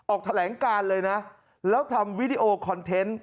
ออกแถลงการเลยนะแล้วทำวิดีโอคอนเทนต์